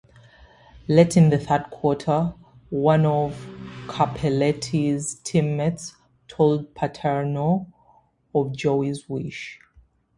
Late in the third quarter, one of Cappelletti's teammates told Paterno of Joey's wish.